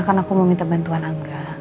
karena aku mau minta bantuan angga